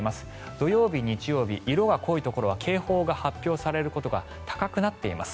土曜日、日曜日色が濃いところは警報が発表される可能性が高くなっています。